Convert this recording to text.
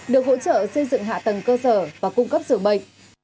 được hỗ trợ xây dựng hạ tầng cơ sở và cung cấp dường bệnh